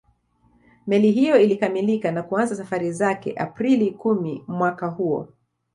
Meli hiyo ilikamilika na kuanza safari zake Aprili kumi mwaka huo